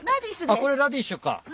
あっこれラディッシュか。